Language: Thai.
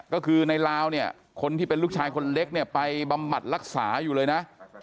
ก็คือในลาวเนี่ยคนที่เป็นลูกชายคนเล็กเนี่ยไปบำบัดรักษาอยู่เลยนะ